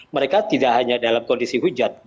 mereka tidak hanya dalam kondisi hujan